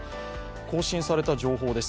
更新された情報です。